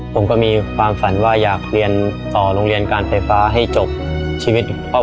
ผมก็มีความฝันว่าอยากเรียนต่อโรงเรียนการไฟฟ้าให้จบชีวิตพ่อ